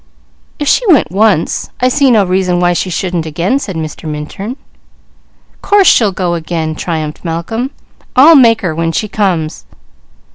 "If she went once, I see no reason why she shouldn't again," said Mr. Minturn. "Course she'll go again!" triumphed Malcolm. "I'll make her, when she comes."